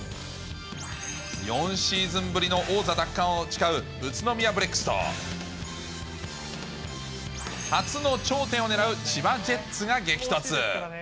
４シーズンぶりの王座奪還を誓う宇都宮ブレックスと、初の頂点を狙う千葉ジェッツが激突。